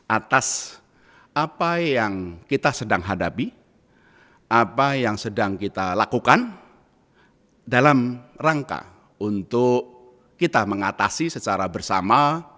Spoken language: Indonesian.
atas apa yang kita sedang hadapi apa yang sedang kita lakukan dalam rangka untuk kita mengatasi secara bersama